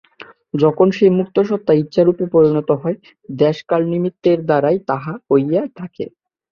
যখন সেই মুক্ত সত্তা ইচ্ছারূপে পরিণত হয়, দেশ-কাল-নিমিত্তের দ্বারাই তাহা হইয়া থাকে।